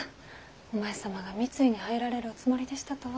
お前様が三井に入られるおつもりでしたとは。